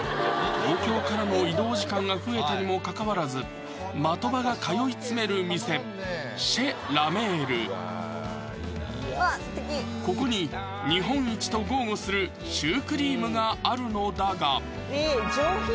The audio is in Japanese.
東京からの移動時間が増えたにもかかわらず的場が通い詰める店ここに日本一と豪語するシュークリームがあるのだがえっ上品！